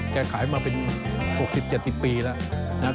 แก่ขายมาเป็น๖๐๗๐ปีแล้ว